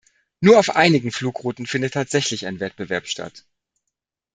Nur auf einigen Flugrouten findet tatsächlich ein Wettbewerb statt.